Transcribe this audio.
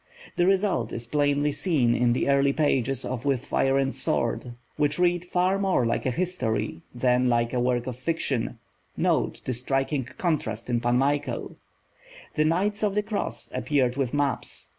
The result is plainly seen in the early pages of With Fire and Sword, which read far more like a history than like a work of fiction note the striking contrast in Pan Michael! The Knights of the Cross appeared with maps.